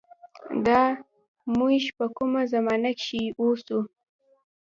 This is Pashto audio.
دا مونږ په کومه زمانه کښې اوسو